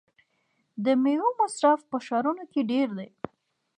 د میوو مصرف په ښارونو کې ډیر دی.